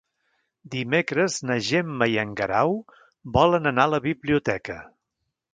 Dimecres na Gemma i en Guerau volen anar a la biblioteca.